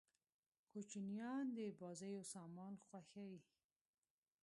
کوچنيان د بازيو سامان خوښيي.